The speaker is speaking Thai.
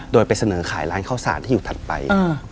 โดยไปเสนอขายร้านข้าวสารที่อยู่ถัดไป